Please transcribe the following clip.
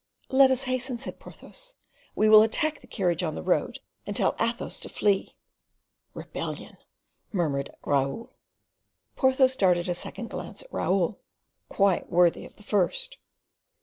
"Let us hasten," said Porthos; "we will attack the carriage on the road and tell Athos to flee." "Rebellion," murmured Raoul. Porthos darted a second glance at Raoul, quite worthy of the first.